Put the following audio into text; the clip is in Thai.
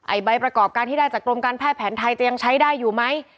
ใบประกอบการที่ได้จากกรมการแพทย์แผนไทยจะยังใช้ได้อยู่ไหม